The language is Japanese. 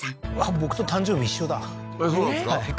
僕と誕生日一緒だそうなんですか？